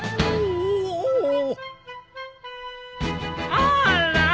あら！